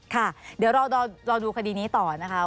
ค่ะเดี๋ยวเราดูคดีนี้ต่อนะคะ